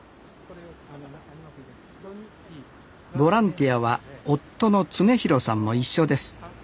ボランティアは夫の恒博さんも一緒です。